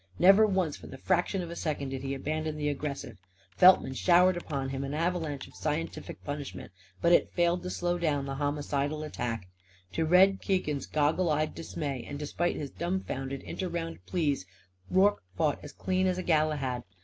Never once for the fraction of a second did he abandon the aggressive. Feltman showered upon him an avalanche of scientific punishment. But it failed to slow down that homicidal attack. To Red Keegan's goggle eyed dismay and despite his dumfounded inter round pleas, Rorke fought as clean as a Galahad.